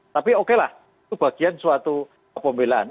tapi okelah itu bagian suatu kepemilaan